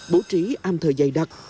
bổ trí am thờ dày đặc